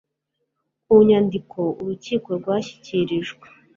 ku nyandiko urukiko rwashyikirijwe